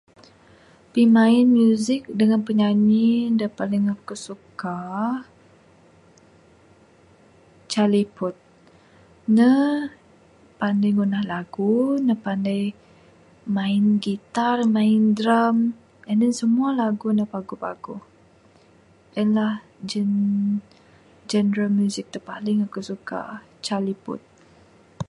Pimain music dengan pinyanyi da paling aku suka, Charlie Puth. Ne panai ngunah lagu, ne panai main guitar main drum and then semua lagu ne paguh-paguh. En lah gen ... general music da paling aku suka. Charlie Puth.